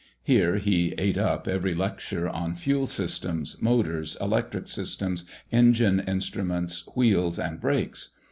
Here he "ate up" every lecture on Fuel Systems, Motors, Electric Systems, Engine Instruments, Wheels, and Brakes.